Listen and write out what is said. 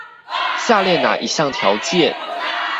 下列那一項條件